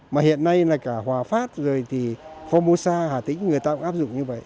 mà hiện nay là cả hòa pháp rồi thì phomosa hà tĩnh người ta cũng áp dụng như vậy